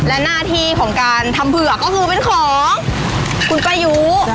และหน้าที่ของการทำเผือกก็คือเป็นของคุณป้ายู